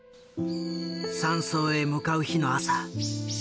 山荘へ向かう日の朝。